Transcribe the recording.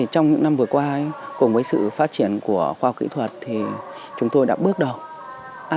trong những năm vừa qua cùng với sự phát triển của khoa học kỹ thuật thì chúng tôi đã bước đầu